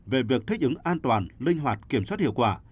về việc thích ứng an toàn linh hoạt kiểm soát hiệu quả